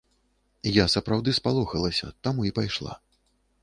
Я сапраўды спалохалася, таму і пайшла.